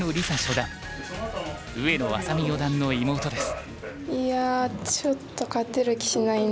上野愛咲美四段の妹です。